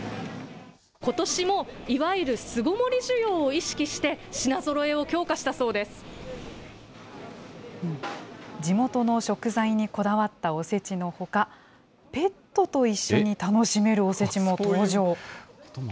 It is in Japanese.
ことしもいわゆる巣ごもり需要を意識して、品ぞろえを強化し地元の食材にこだわったおせちのほか、ペットと一緒に楽しめるおせちも登場。